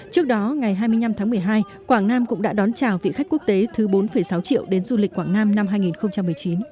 trước đó ngày hai mươi năm tháng một mươi hai quảng nam cũng đã đón chào vị khách quốc tế thứ bốn sáu triệu đến du lịch quảng nam năm hai nghìn một mươi chín